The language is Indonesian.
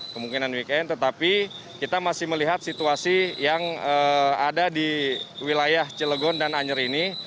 kemungkinan weekend tetapi kita masih melihat situasi yang ada di wilayah cilegon dan anyer ini